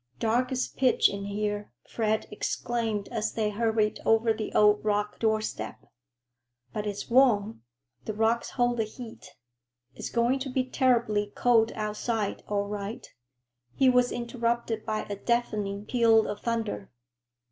"Dark as pitch in here," Fred exclaimed as they hurried over the old rock doorstep. "But it's warm. The rocks hold the heat. It's going to be terribly cold outside, all right." He was interrupted by a deafening peal of thunder.